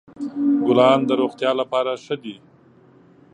ګلان د روغتیا لپاره ښه دي.